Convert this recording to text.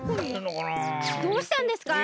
どうしたんですか？